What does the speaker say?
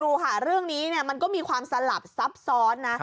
ดูค่ะเรื่องนี้มันก็มีความสลับซับซ้อนนะ